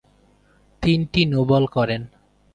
তিনটি নো-বল করেন।